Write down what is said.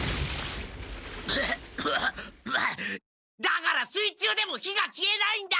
だから水中でも火が消えないんだ！